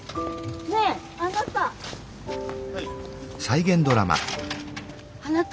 ねえあなた！